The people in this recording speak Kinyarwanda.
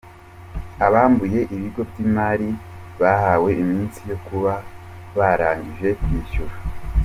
Abambuye ibigo by’imari bahawe iminsi yo kuba barangije kwishyura